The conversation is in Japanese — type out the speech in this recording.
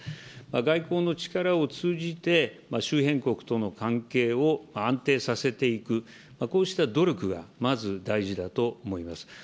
外交の力を通じて、周辺国との関係を安定させていく、こうした努力がまず大事だと思います。